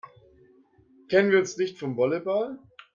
Kennen wir uns nicht vom Volleyball?